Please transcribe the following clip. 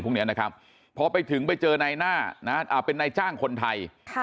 พวกนี้นะครับพอไปถึงไปเจอนายหน้าเป็นนายจ้างคนไทย